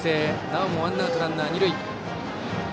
なおもワンアウトランナー、二塁。